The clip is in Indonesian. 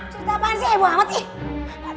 cerita apaan sih hebat banget